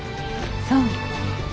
そう。